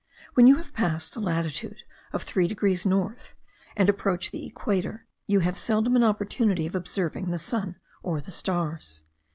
When you have passed the latitude of three degrees north, and approach the equator, you have seldom an opportunity of observing the sun or the stars.